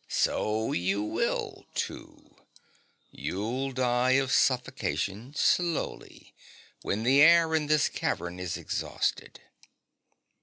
' So you will, too. You'll die of suffocation, slowly, when the air in this cavern is exhausted.'